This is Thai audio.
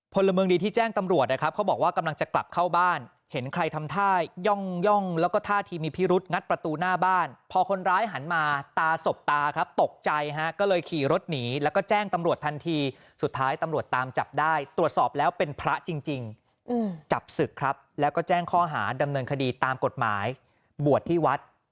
พลเมืองดีที่แจ้งตำรวจนะครับเขาบอกว่ากำลังจะกลับเข้าบ้านเห็นใครทำท่าย่องแล้วก็ท่าทีมีพิรุษงัดประตูหน้าบ้านพอคนร้ายหันมาตาสบตาครับตกใจฮะก็เลยขี่รถหนีแล้วก็แจ้งตำรวจทันทีสุดท้ายตำรวจตามจับได้ตรวจสอบแล้วเป็นพระจริงจับศึกครับแล้วก็แจ้งข้อหาดำเนินคดีตามกฎหมายบวชที่วัด